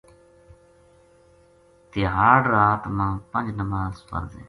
تہاڑ رات ما پنج نماز فرض ہیں۔